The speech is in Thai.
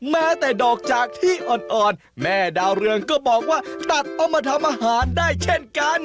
แม้แต่ดอกจากที่อ่อนแม่ดาวเรืองก็บอกว่าตัดเอามาทำอาหารได้เช่นกัน